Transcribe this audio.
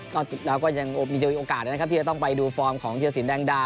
นอกจากนี่เราก็ยังมีโอกาสที่จะไปดูฟอร์มของที่ละสินด่างดา